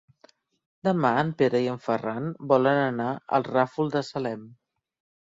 Demà en Pere i en Ferran volen anar al Ràfol de Salem.